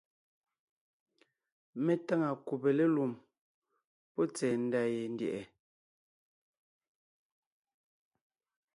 Mé táŋa kùbe lélùm pɔ́ tsɛ̀ɛ ndá yendyɛ̀ʼɛ.